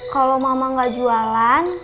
kalau mama gak jualan